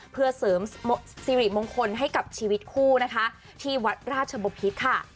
เพื่อเสริมสิริมงคลให้กับชีวิตคู่นะคะที่วัดราชบพิษค่ะ